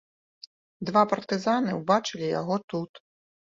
Два партызаны ўбачылі яго тут.